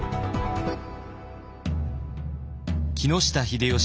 木下秀吉